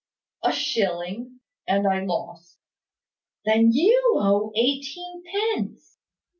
"A shilling; and I lost." "Then you owe eighteen pence."